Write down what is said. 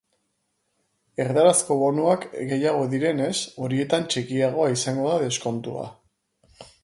Erdarazko bonuak gehiago direnez, horietan txikiagoa izango da deskontua.